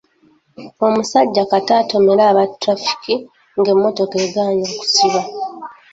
Omusajja kata atomere aba ttulafiki ng'emmotoka egaanyi okusiba.